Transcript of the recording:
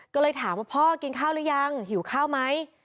ก็เลยถามว่าพ่อกินข้าวหรือยังหิวข้าวไหม